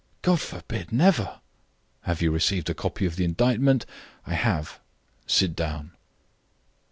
"God forbid, never." "Have you received a copy of the indictment?" "I have." "Sit down."